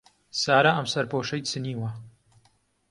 سارا ئەم سەرپۆشەی چنیوە.